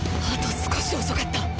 あと少し遅かった。